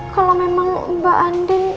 kalau memang mbak andi